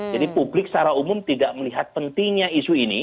jadi publik secara umum tidak melihat pentingnya isu ini